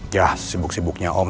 yah sibuk sibuknya om